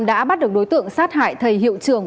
đã bắt được đối tượng sát hại thầy hiệu trưởng